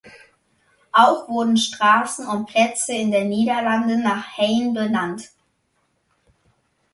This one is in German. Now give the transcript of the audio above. Auch wurden Straßen und Plätze in den Niederlanden nach Heyn benannt.